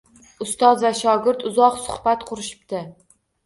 Ustoz va shogird uzoq suhbat qurishibdi